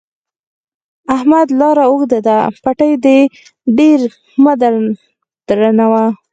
احمده! لاره اوږده ده؛ پېټی دې ډېر مه درنوه.